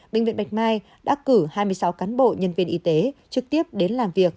bệnh viện bạch mai đã cử hai mươi sáu cán bộ nhân viên y tế trực tiếp đến làm việc